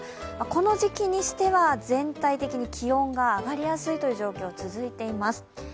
この時期にしては全体的に気温が上がりやすいという状況が続いています。